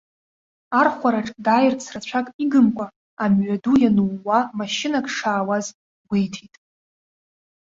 Архәараҿ дааирц рацәак игымкәа, амҩаду ианууаа машьынак шаауаз гәеиҭеит.